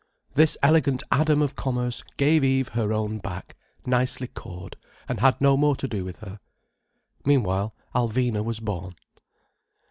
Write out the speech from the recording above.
This elegant Adam of commerce gave Eve her own back, nicely cored, and had no more to do with her. Meanwhile Alvina was born.